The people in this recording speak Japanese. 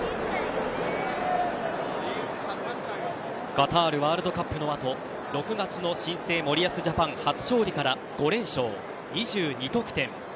カタールワールドカップのあと６月の新生森保ジャパン初勝利から、５連勝２２得点。